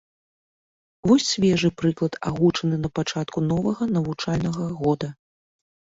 Вось свежы прыклад, агучаны на пачатку новага навучальнага года.